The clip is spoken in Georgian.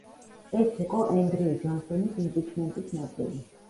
ის იყო ენდრიუ ჯონსონის იმპიჩმენტის ნაწილი.